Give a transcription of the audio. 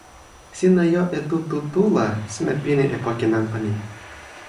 sina jo e tu tu tu la, sina pini e poki nanpa ni.